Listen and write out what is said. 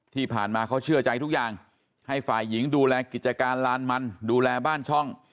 ที่ผ่านมาเขาเชื่อใจทุกอย่างให้ฝ่ายหญิงดูแลกิจการลานมันดูแลบ้านช่อง